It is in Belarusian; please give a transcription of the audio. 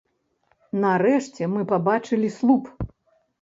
Нарэшце мы пабачылі слуп.